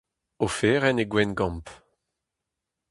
Oferenn e Gwengamp.